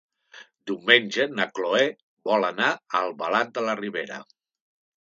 Diumenge na Cloè vol anar a Albalat de la Ribera.